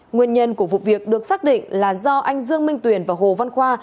nguyên nhân của vụ việc được xác định là do anh dương minh tuyền và hồ văn khoa